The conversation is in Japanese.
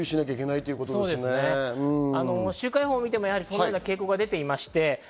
週間予報を見てもそのような傾向が出ています。